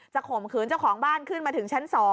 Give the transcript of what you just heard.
ข่มขืนเจ้าของบ้านขึ้นมาถึงชั้น๒